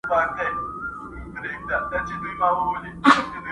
o تفسير دي راته شیخه د ژوند سم ویلی نه دی.